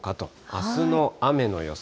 あすの雨の予想。